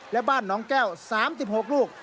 และบ้านน้องแก้ว๓๖ลูก